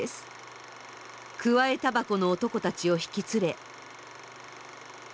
くわえタバコの男たちを引き連れ。